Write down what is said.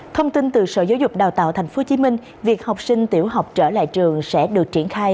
thông tin từ sở giáo dục đào tạo tp hcm việc học sinh tiểu học trở lại trường sẽ được triển khai